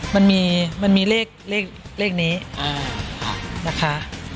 มันมีเลขนี้นะคะ